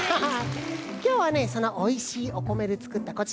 きょうはねそのおいしいおこめでつくったこちら。